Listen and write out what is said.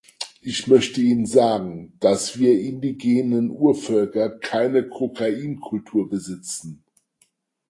Ich möchte Ihnen sagen, dass wir indigenen Urvölker keine Kokain-Kultur besitzen.